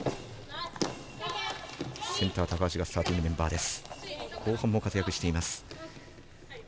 センター高橋がスターティングメンバーです。